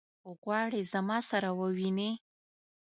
غواړي زما سره وویني.